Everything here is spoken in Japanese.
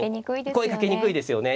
声かけにくいですよね。